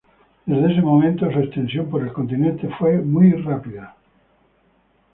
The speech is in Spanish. Desde ese momento su extensión por el continente fue muy rápida.